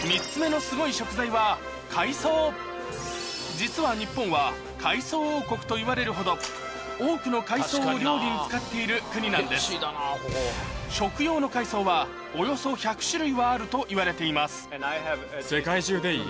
実は日本は海藻王国といわれるほど多くの海藻を料理に使っている国なんですはあるといわれています